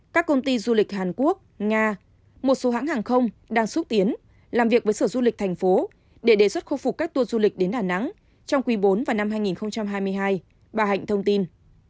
các công ty du lịch hàn quốc nga một số hãng hàng không đang xúc tiến làm việc với sở du lịch thành phố để đề xuất khôi phục các tour du lịch đến đà nẵng trong quý bốn và năm hai nghìn hai mươi hai bà hạnh thông tin